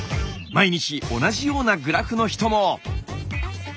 毎日同じようなグラフの人も。